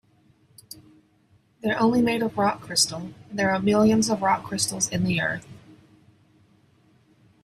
They're only made of rock crystal, and there are millions of rock crystals in the earth.